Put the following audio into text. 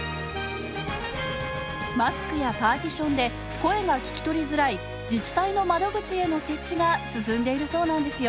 マスクやパーティションで声が聞き取りづらい自治体の窓口への設置が進んでいるそうなんですよ。